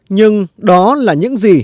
nhưng đó là những gì